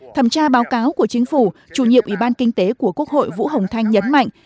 thẩm tra báo cáo của chính phủ chủ nhiệm ủy ban kinh tế của quốc hội vũ hồng thanh nhấn mạnh